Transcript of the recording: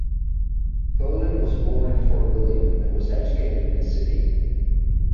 Kolyn was born in Fort William, and was educated in the city.